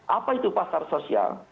apa itu pasar sosial